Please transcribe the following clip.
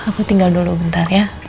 aku tinggal dulu bentar ya